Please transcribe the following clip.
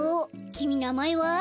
きみなまえは？